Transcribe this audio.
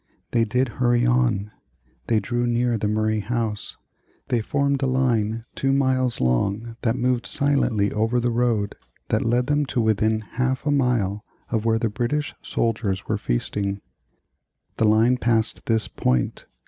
They did hurry on. They drew near the Murray house; they formed a line two miles long that moved silently over the road that led them to within half a mile of where the British soldiers were feasting. The line passed this point.